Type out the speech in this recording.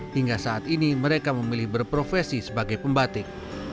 hingga saat ini mereka memilih berprofesi sebagai pembatik